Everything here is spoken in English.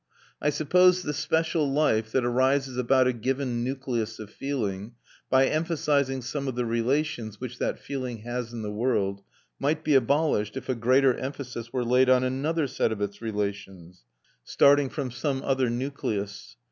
I suppose the special life that arises about a given nucleus of feeling, by emphasising some of the relations which that feeling has in the world, might be abolished if a greater emphasis were laid on another set of its relations, starting from some other nucleus.